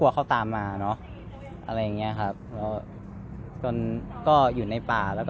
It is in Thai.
เวลาที่สุดตอนที่สุด